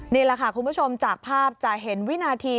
นี่แหละค่ะคุณผู้ชมจากภาพจะเห็นวินาที